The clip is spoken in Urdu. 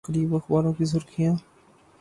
قریب اخباروں کی سرخیاں